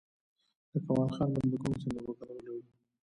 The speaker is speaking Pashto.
د کمال خان بند د کوم سیند اوبه کنټرولوي؟